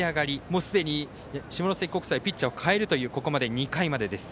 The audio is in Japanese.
もうすでに下関国際ピッチャーを代えるというここまで２回までです。